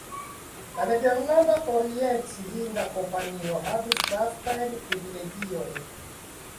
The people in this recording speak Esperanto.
La Nederlanda Orient-hinda Kompanio havis vastajn privilegiojn.